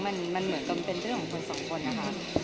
มันเหมือนกับเป็นเรื่องของคนสองคนนะคะ